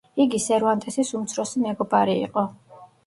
იგი სერვანტესის უმცროსი მეგობარი იყო.